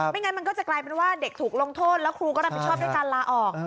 งั้นมันก็จะกลายเป็นว่าเด็กถูกลงโทษแล้วครูก็รับผิดชอบด้วยการลาออก